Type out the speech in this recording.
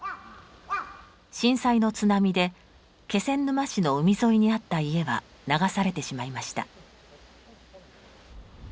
震災の津波で気仙沼市の海沿いにあった家は流されてしまいました。